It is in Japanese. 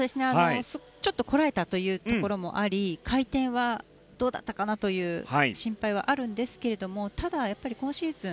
ちょっとこらえたという部分もあり回転はどうだったかな？という心配はあるんですけどただ、今シーズン